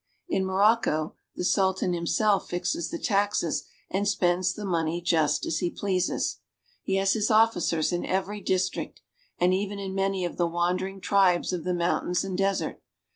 In Morocco the Sultan himself fixes the taxes and spends the money ALGERIA. GENERAL VIEW 33 just as he pleases. He has his officers in every district, and even in many of the wandering tribes of the moun tains and desert.